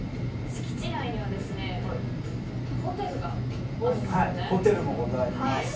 敷地内にはホテルがあるんですよね。